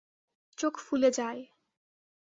চোখ ফুলে যায়।